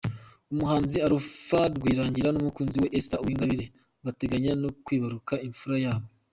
Umuhanzi Alpha Rwirangira n’umukunzi we Esther Uwingabire bateganya no kwibaruka imfura yabo.